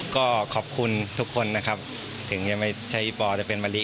ก็ขอบคุณทุกคนนะครับถึงยังไม่ใช้ปอจะเป็นมะลิ